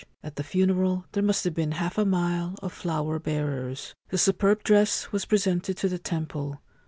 At the funeral there must have been half a mile of flower bearers. The superb dress was presented to the temple.